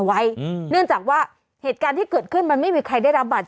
ประจำวันไว้อืมเนื่องจากว่าเหตุการณ์ที่เกิดขึ้นมันไม่มีใครได้รับบาด